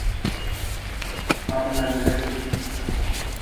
Kparmngende.